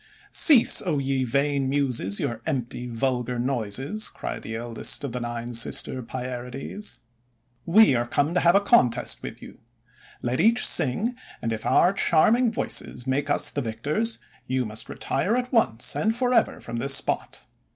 "Cease, 0 ye vain Muses, your empty vul gar noises," cried the eldest of the Nine Sister Pierides. "We are come to have a contest with you. Let us each sing, and if our charming voices make us the victors, you must retire at once and forever from this spot.